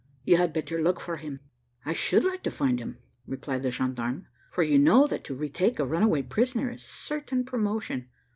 You had better look for him." "I should like to find him," replied the gendarme, "for you know that to retake a runaway prisoner is certain promotion.